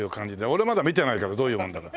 俺まだ見てないからどういうもんだか。